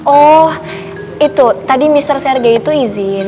oh itu tadi mr serge itu izin